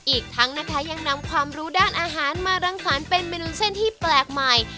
อีกทั้งนะคะยังนำความรู้ด้านอาหารมารังสรรค์เป็นเมนูเส้นที่แปลกใหม่